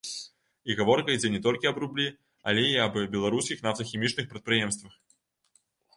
І гаворка ідзе не толькі аб рублі, але і аб беларускіх нафтахімічных прадпрыемствах.